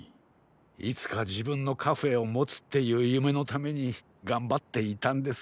いつかじぶんのカフェをもつっていうゆめのためにがんばっていたんです。